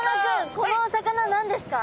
このお魚なんですか？